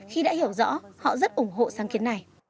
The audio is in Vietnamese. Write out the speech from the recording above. khi đã hiểu rõ họ rất ủng hộ sáng kiến này